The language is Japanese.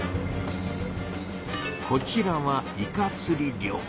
こちらは「イカつり漁」。